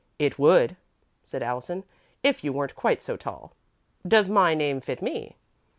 "It would," said Allison, "if you weren't quite so tall. Does my name fit me?"